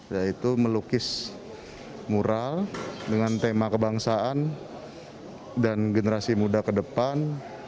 yaitu melukis mural dengan tema kebangsaan dan generasi muda ke depan